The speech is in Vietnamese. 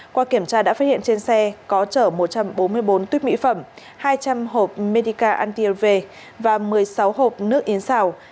qua kiểm tra đã phát hiện trên xe có chở một trăm bốn mươi bốn tuyết mỹ phẩm hai trăm linh hộp medica anti lv và một mươi sáu hộp nước yến xào